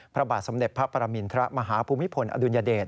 ภรรษมเด็จพระปรมินทรมหาภูมิภูมิอดุญเดช